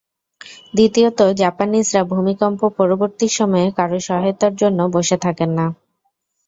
দ্বিতীয়ত, জাপানিজরা ভূমিকম্প পরবর্তী সময়ে কারও সহায়তার জন্য বসে থাকেন না।